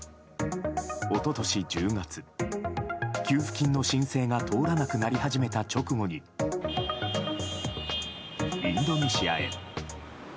一昨年１０月、給付金の申請が通らなくなり始めた直後にインドネシアへ。